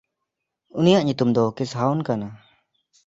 ᱩᱱᱤᱭᱟᱜ ᱧᱩᱛᱩᱢ ᱫᱚ ᱠᱤᱥᱦᱟᱣᱱ ᱠᱟᱱᱟ᱾